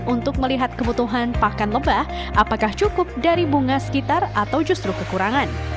untuk melihat kebutuhan pakan lebah apakah cukup dari bunga sekitar atau justru kekurangan